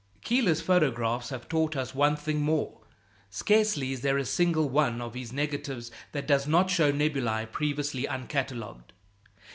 Keeler's photographs have taught us one thing more. Scarcely is there a single one of his negatives that does not show nebulæ previously uncatalogued.